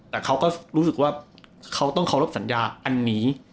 แต่เขาก็รู้สึกว่าเขาต้องเคารพสัญญาอันนี้